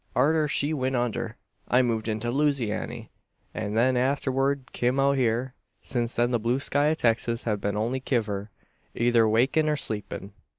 Arter she went under, I moved into Loozeyanny; an then arterward kim out hyur. Since then the blue sky o' Texas hev been my only kiver, eyther wakin' or sleepin'."